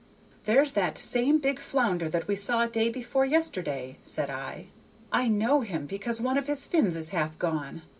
"There is that same big flounder that we saw day before yesterday," said I. "I know him because one of his fins is half gone.